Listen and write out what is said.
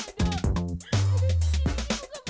biarin aku ngejelajin semuanya sama kamu